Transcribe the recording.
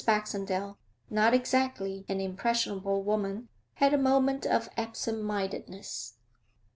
Baxendale, not exactly an impressionable woman, had a moment of absent mindedness.